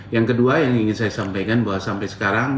yang kedua yang ingin saya sampaikan bahwa sampai sekarang